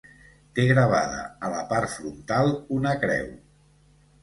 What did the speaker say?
Té gravada a la part frontal una creu.